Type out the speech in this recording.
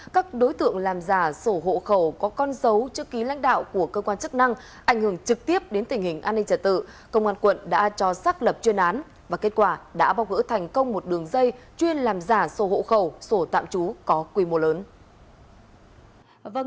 các đối tượng làm giả sổ hộ khẩu có con dấu chữ ký lãnh đạo của cơ quan chức năng ảnh hưởng trực tiếp đến tình hình an ninh trả tự công an quận đã cho xác lập chuyên án và kết quả đã bóc gỡ thành công một đường dây chuyên làm giả sổ hộ khẩu sổ tạm trú có quy mô lớn